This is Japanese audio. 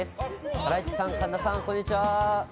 ハライチさん、神田さんこんにちは！